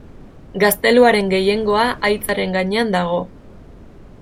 Gazteluaren gehiengoa haitzaren gainean dago.